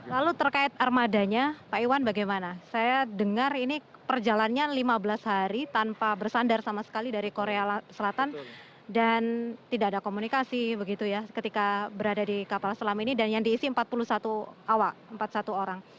lalu terkait armadanya pak iwan bagaimana saya dengar ini perjalannya lima belas hari tanpa bersandar sama sekali dari korea selatan dan tidak ada komunikasi begitu ya ketika berada di kapal selam ini dan yang diisi empat puluh satu awak empat puluh satu orang